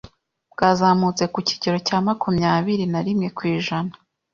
bwazamutse ku kigero cya makumyabiri na rimwe kw’ijana